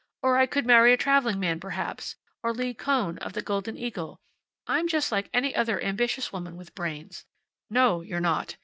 Or I could marry a traveling man, perhaps, or Lee Kohn of the Golden Eagle. I'm just like any other ambitious woman with brains " "No you're not.